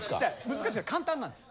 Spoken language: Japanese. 難しくない簡単なんです。